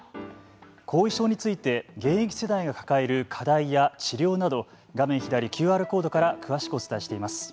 後遺症について現役世代が抱える課題や治療など画面左、ＱＲコードから詳しくお伝えしています。